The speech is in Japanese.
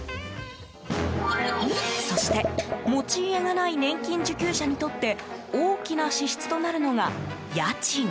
そして、持ち家がない年金受給者にとって大きな支出となるのが家賃。